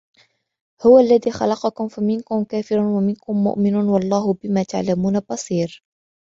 هو الذي خلقكم فمنكم كافر ومنكم مؤمن والله بما تعملون بصير